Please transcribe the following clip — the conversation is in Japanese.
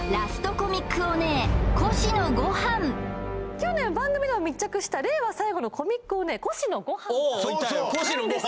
去年番組でも密着した令和最後のコミックオネエ越乃ごはんさん